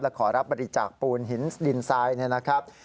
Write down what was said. ขอรับบริจาคปูนหินดินทรายเนี่ยนะครับ